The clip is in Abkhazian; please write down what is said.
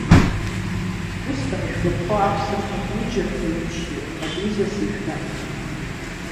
Усҟан ишәгәаԥхо аҳәса рҟынтә ҩыџьа, хҩы, ԥшьҩы хатәҩызас ижәга.